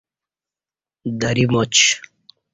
دری ماچ